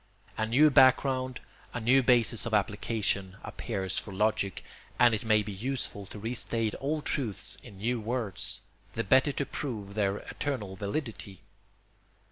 A new background, a new basis of application, appears for logic, and it may be useful to restate old truths in new words, the better to prove their eternal validity.